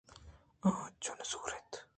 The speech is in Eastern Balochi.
آ انچو نزور ات